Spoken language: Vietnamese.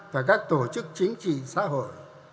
và các tổ chức chính trị xã hội